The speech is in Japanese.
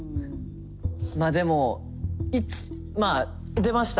まあでもまあ出ました